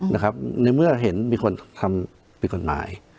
นะครับในเมื่อเห็นมีคนทำกฎหมาย